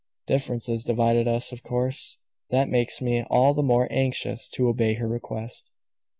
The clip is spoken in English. Differences divided us. Of course that makes me all the more anxious to obey her request."